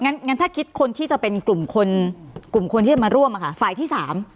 งั้นถ้าคิดคนที่จะเป็นกลุ่มคนที่จะมาร่วมฝ่ายที่๓